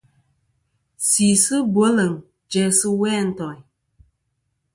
Sisɨ bweleŋ jæ sɨ we a ntoyn.